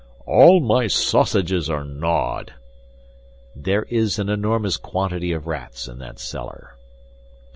"All my sausages are gnawed!" "There is an enormous quantity of rats in that cellar."